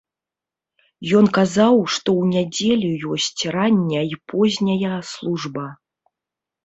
Ён казаў, што ў нядзелю ёсць рання і позняя служба.